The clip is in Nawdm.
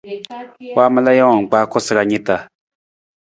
Waamala jawang kpaa koosara ni ta.